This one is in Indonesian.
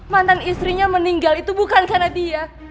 mantan istrinya meninggal itu bukan karena dia